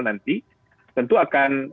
nanti tentu akan